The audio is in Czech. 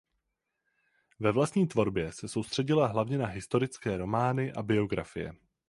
Ve vlastní tvorbě se soustředila hlavně na historické romány a biografie.